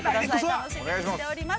楽しみにしております。